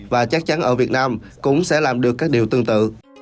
và chắc chắn ở việt nam cũng sẽ làm được các điều tương tự